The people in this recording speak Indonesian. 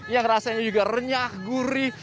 yang rasanya juga renyah gurih